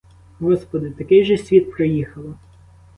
Господи, такий же світ проїхала.